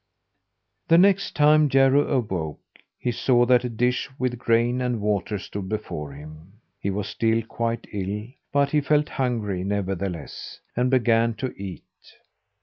The next time Jarro awoke, he saw that a dish with grain and water stood before him. He was still quite ill, but he felt hungry nevertheless, and began to eat.